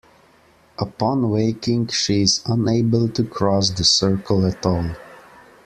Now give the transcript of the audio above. Upon waking, she is unable to cross the circle at all.